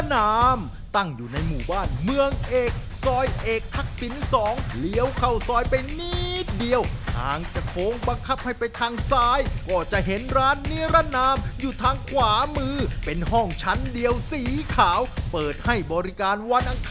สำหรับวันนี้พวกเราสองคนลาไปก่อนสวัสดีครับ